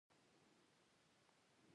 لوستې لور د ملنډو مستحقه نه ده.